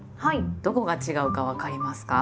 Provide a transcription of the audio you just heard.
どこが違うか分かりますか？